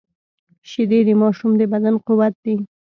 شیدې د ماشوم د بدن قوت دي